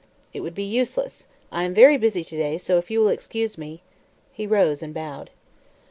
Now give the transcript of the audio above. "It would be useless. I am very busy to day, so if you will excuse me " He rose and bowed.